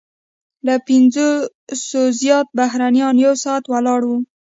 له پنځوسو زیات بهرنیان یو ساعت ولاړ وو.